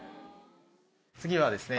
次はですね